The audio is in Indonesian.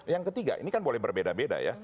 yang ketiga ini kan boleh berbeda beda ya